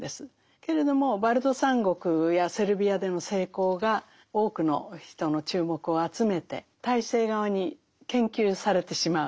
けれどもバルト三国やセルビアでの成功が多くの人の注目を集めて体制側に研究されてしまう。